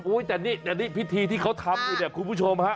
อุ๊ยแต่นี่พิธีที่เขาทำคุณผู้ชม